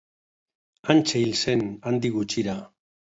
Hantxe hil zen handik gutxira.